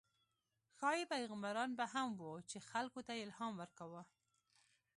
ښايي پیغمبران به هم وو، چې خلکو ته یې الهام ورکاوه.